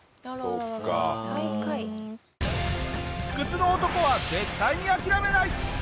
不屈の男は絶対に諦めない！